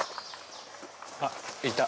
あっいた。